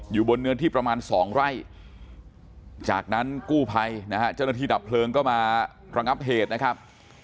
อยู่บนเนื้อที่ประมาณ๒ไร่จากนั้นกู้ภัยนะฮะเจ้าหน้าที่ดับเพลิงก็มาระงับเหตุนะครับ